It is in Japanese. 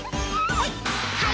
はい！